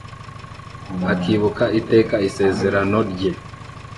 akibuka iteka isezerano rye